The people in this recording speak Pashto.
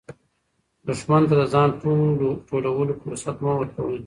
دښمن ته د ځان ټولولو فرصت مه ورکوئ.